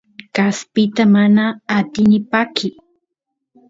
kaspita mana atini pakiy